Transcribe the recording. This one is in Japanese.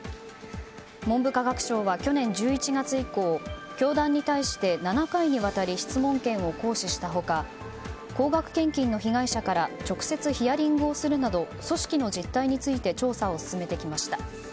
文部科学省は去年１１月以降教団に対して７回にわたり質問権を行使した他高額献金の被害者から直接ヒアリングをするなど組織の実態について調査を進めてきました。